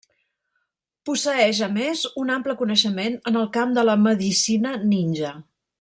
Posseeix a més un ample coneixement en el camp de la medicina ninja.